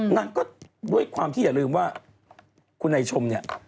นางก็ด้วยความที่อย่าลืมว่าคุณนายชมเนี่ย